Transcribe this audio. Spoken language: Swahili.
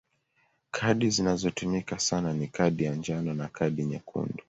Kadi zinazotumika sana ni kadi ya njano na kadi nyekundu.